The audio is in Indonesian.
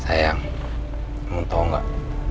sayang mau tau gak